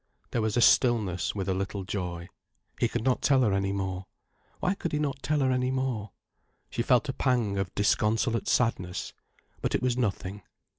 There was a stillness with a little joy. He could not tell her any more. Why could he not tell her any more? She felt a pang of disconsolate sadness. But it was nothing.